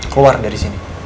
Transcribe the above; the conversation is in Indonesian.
keluar dari sini